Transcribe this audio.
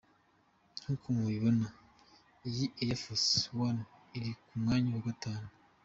Nkuko mubibona iyi Air Force One iri ku mwanya wa Gatanu.